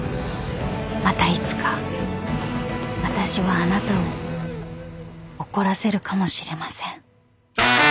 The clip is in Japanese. ［またいつか私はあなたを怒らせるかもしれません］